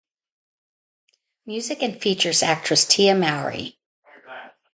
Music and features actress Tia Mowry.